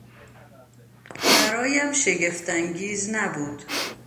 برایم شگفت انگیز نبود.